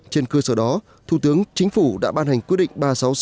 trên cơ sở đó thủ tướng chính phủ đã ban hành quyết định ba trăm sáu mươi sáu